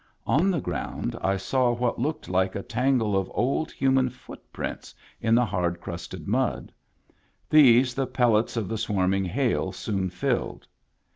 On the ground I saw what looked like a tangle of old, human footprints in the hard crusted mud. These the pellets of the swarming hail soon filled.